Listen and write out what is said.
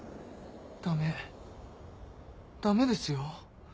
ダメダメですよ。